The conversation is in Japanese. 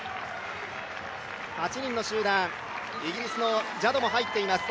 ８人の集団、イギリスのジャドも入っています。